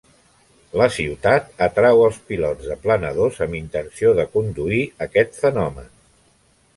La ciutat atrau els pilots de planadors amb intenció de conduir aquest fenomen.